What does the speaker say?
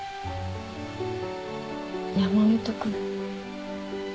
山本君。